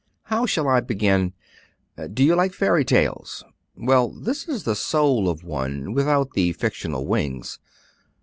"How shall I begin? Do you like fairy tales? Well, this is the soul of one without the fictional wings.